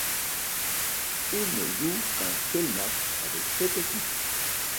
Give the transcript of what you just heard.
Il ne joue qu'un seul match avec cette équipe.